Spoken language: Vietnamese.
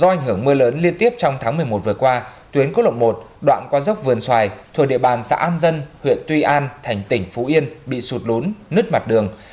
do ảnh hưởng mưa lớn liên tiếp trong tháng một mươi một vừa qua tuyến quốc lộ một đoạn qua dốc vườn xoài thuộc địa bàn xã an dân huyện tuy an thành tỉnh phú yên bị sụt lún nứt mặt đường